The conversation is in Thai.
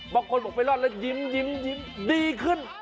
บางคนบอกไปรอดแล้วยิ้มดีขึ้น